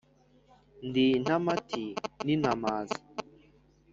Ndi intamati ntintamaza